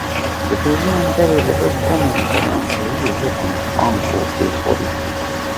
Dibêjin berê li vir gomên gelemperiyê hebûne, ango bêxwedî.